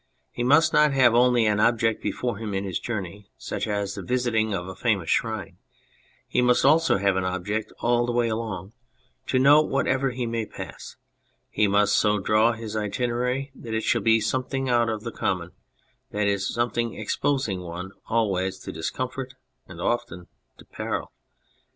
He must not have only an object before him in his journey, such as the visiting of a famous shrine ; he must also have an object all the way along, to note whatever he may pass ; and he must so draw his itinerary that it shall be something out of the common, that is, something exposing one always to discomfort and often to peril.